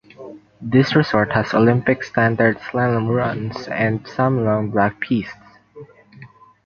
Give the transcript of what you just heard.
This resort has Olympic-standard slalom runs and some long black pistes.